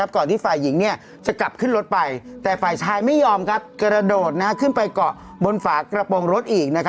ก่อนที่ฝ่ายหญิงจะกลับขึ้นรถไปแต่ฝ่ายชายไม่ยอมกระโดดขึ้นไปเกาะบนฝากระโปรงรถอีก